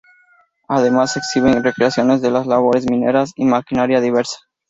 Además se exhiben recreaciones de las labores mineras y maquinaria diversa.